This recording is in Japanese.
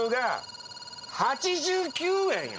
８９円よ。